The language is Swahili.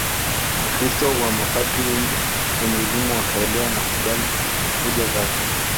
Wakristo na mapadri wengi wenye elimu wakaelewa na kukubali hoja zake